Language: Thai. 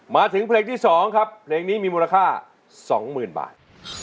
มาถึงเพลงที่๒ครับเพลงนี้มีมูลค่า๒๐๐๐บาท